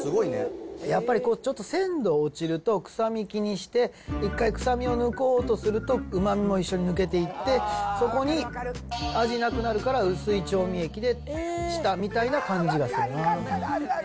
やっぱりこう、鮮度落ちると、臭み気にして、一回臭みを抜こうとすると、うまみも一緒に抜けていって、そこに味なくなるから、薄い調味液でしたみたいな感じはしますね。